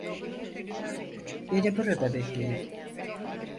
Beni burada bekleyin.